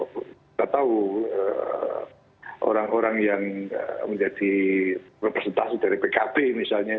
kita tahu orang orang yang menjadi representasi dari pkb misalnya